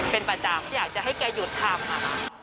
เป็นประจำอยากจะให้แกหยุดทำค่ะ